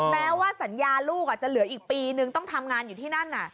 แม้ว่าสัญญาลูกจะเหลืออีกปีนึงต้องทำงานอยู่ที่นั่น